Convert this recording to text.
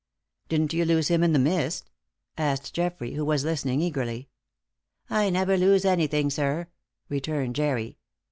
"Didn't you lose him in the mist?" asked Geoffrey, who was listening eagerly. "I never lose anything, sir," returned Jerry.